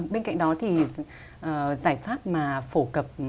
bên cạnh đó thì giải pháp mà phổ cập